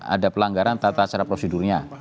ada pelanggaran tata cara prosedurnya